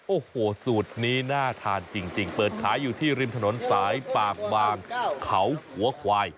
โอ้โหสูตรนี้น่าทานจริงเปิดขายอยู่ที่ริมถนนสายปากบางเขาหัวควาย